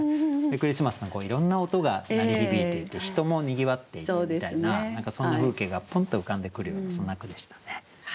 クリスマスのいろんな音が鳴り響いていて人もにぎわっていてみたいな何かそんな風景がポンと浮かんでくるようなそんな句でしたね。